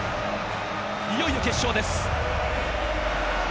いよいよ決勝です。